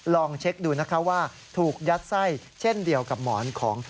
ลองเช็คดูนะคะว่าถูกยัดไส้เช่นเดียวกับหมอนของ